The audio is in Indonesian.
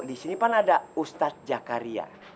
disini kan ada ustadz jakaria